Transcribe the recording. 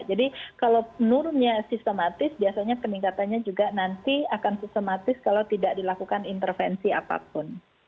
jadi kalau nurunnya sistematis biasanya peningkatannya juga nanti akan sistematis kalau tidak dilakukan intervensi apapun